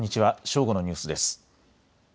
正午のニュースです。